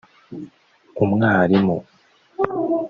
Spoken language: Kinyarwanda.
umwarimu